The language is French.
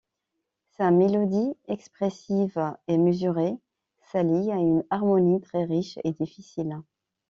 Sa mélodie expressive et mesurée s'allie à une harmonie très riche et difficile.